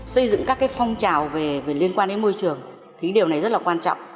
xây dựng các phong trào liên quan đến môi trường điều này rất quan trọng